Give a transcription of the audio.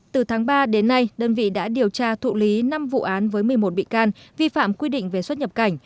từ tháng ba đến nay đơn vị đã điều tra thụ lý năm vụ án với một mươi một bị can vi phạm quy định về xuất nhập cảnh